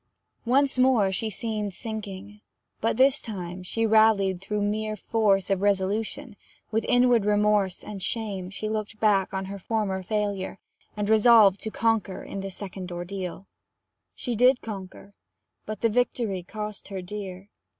Once more she seemed sinking, but this time she rallied through the mere force of resolution: with inward remorse and shame she looked back on her former failure, and resolved to conquer in this second ordeal. She did conquer: but the victory cost her dear.